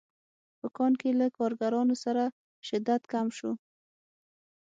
په کان کې له کارګرانو سره شدت کم شو